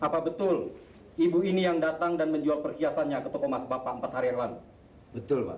hai apa betul ibu ini yang datang dan menjual perhiasannya ke tokomas bapak empat hari yang lalu betul pak